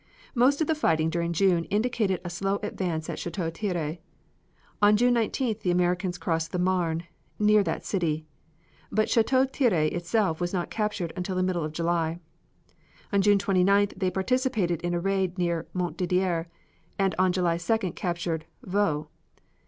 Most of the fighting during June indicated a slow advance at Chateau Thierry. On June 19th the Americans crossed the Marne, near that city. But Chateau Thierry itself was not captured until the middle of July. On June 29th they participated in a raid near Montdidier and on July 2d captured Vaux.